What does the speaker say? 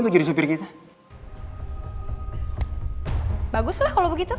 kok jadi dewi sih